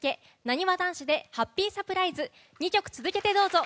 なにわ男子で「ハッピーサプライズ」２曲続けてどうぞ。